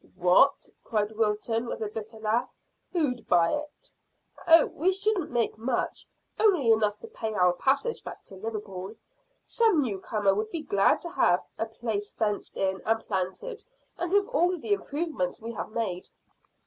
"What!" cried Wilton, with a bitter laugh. "Who'd buy it?" "Oh, we shouldn't make much; only enough to pay our passages back to Liverpool. Some newcomer would be glad to have a place fenced in and planted, and with all the improvements we have made."